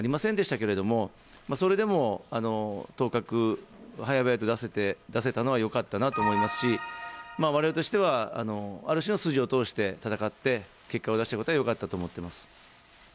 けれども、それでも、当確を早々と出せたのはよかったなと思いますし、われわれとしては、ある種の筋を通して戦って結果を出したことはよかったと思ってます。